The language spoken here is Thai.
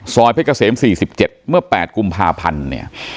เพชรเกษม๔๗เมื่อ๘กุมภาพันธ์เนี่ย